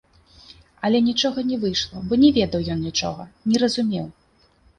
Але нічога не выйшла, бо не ведаў ён нічога, не разумеў.